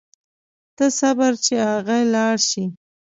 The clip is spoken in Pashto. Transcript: ته صبر چې اغئ لاړ شي.